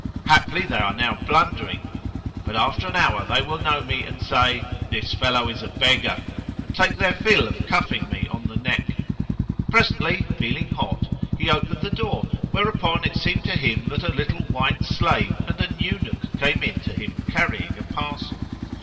Haply they are now blundering; but after an hour they will know me and say, This fellow is a beggar; and take their fill of cuffing me on the neck." Presently, feeling hot he opened the door, whereupon it seemed to him that a little white slave and an eunuch came in to him carrying a parcel.